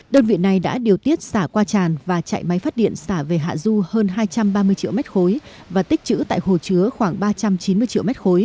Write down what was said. đơn vị này đã điều tiết xả qua tràn và chạy máy phát điện xả về hạ du hơn hai trăm ba mươi triệu m ba và tích chữ tại hồ chứa khoảng ba trăm chín mươi triệu m ba